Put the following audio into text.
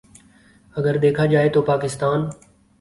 اگر دیکھا جائے تو پاکستان